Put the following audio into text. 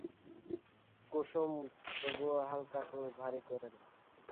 কুসুম তবু হালকা সুর ভারী করে না।